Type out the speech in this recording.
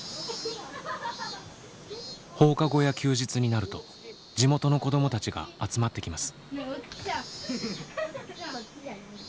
放課後や休日になると地元の子供たちが集まってきます。